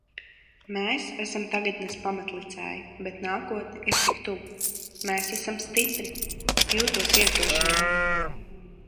Mēs esam tagadnes pamatlicēji, bet nākotne ir tik tuvu. Mēs esam stipri. Jūtos iedrošināta.